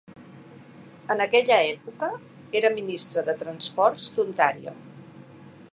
En aquella època, era ministre de transports d'Ontario.